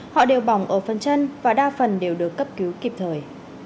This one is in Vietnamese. họ đều bỏng ở phân chân và đa phần đều được cấp cứu kịp thời